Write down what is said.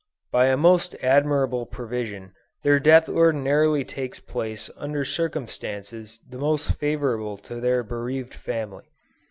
By a most admirable provision, their death ordinarily takes place under circumstances the most favorable to their bereaved family.